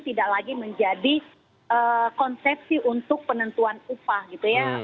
tidak lagi menjadi konsepsi untuk penentuan upah gitu ya